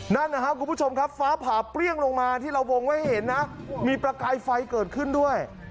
นั่นนะครับคุณผู้ชมครับฟ้าผ่าเปรี้ยงลงมาที่เราวงไว้เห็นนะมีประกายไฟเกิดขึ้นด้วย